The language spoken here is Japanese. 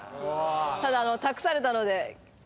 ただ託されたので。